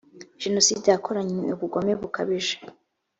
jenoside yakoranywe ubugome bukabije.